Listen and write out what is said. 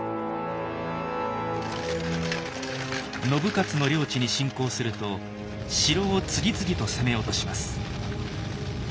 信雄の領地に侵攻すると城を次々と攻め落とします。